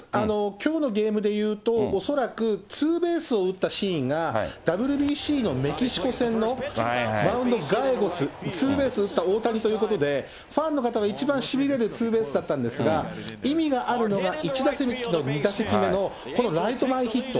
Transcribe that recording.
きょうのゲームでいうと、恐らくツーベースを打ったシーンが、ＷＢＣのメキシコ戦のマウンドのツーベース打った大谷ということで、ファンの方が一番しびれるツーベースだったんですが、意味があるのが１打席目と２打席目の、このライト前ヒット。